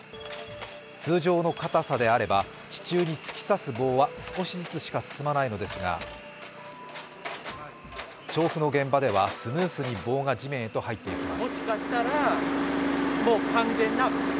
通常の堅さであれば地中に突き刺す棒は少しずつしか進まないのですが調布の現場では、スムースに棒が地面へと入っていきます。